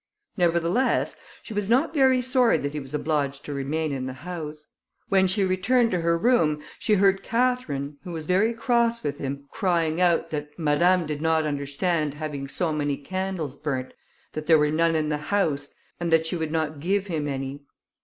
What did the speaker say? Nevertheless, she was not very sorry that he was obliged to remain in the house. When she returned to her room, she heard Catherine, who was very cross with him, crying out, that Madame did not understand having so many candles burnt, that there were none in the house, and that she would not give him any.